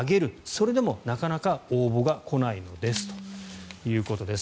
それでもなかなか応募が来ないのですということです。